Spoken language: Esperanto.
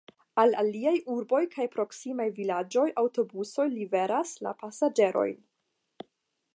Al aliaj urboj kaj proksimaj vilaĝoj aŭtobusoj liveras la pasaĝerojn.